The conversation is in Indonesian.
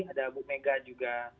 ada bu mega juga